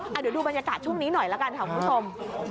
เดี๋ยวดูบรรยากาศชุดนี้หน่อยแล้วกันครับคุณชม